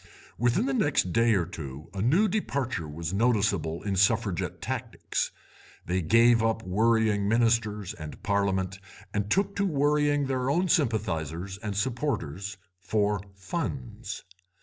"Within the next day or two a new departure was noticeable in Suffragette tactics. They gave up worrying Ministers and Parliament and took to worrying their own sympathisers and supporters—for funds.